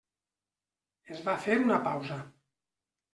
Es va fer una pausa.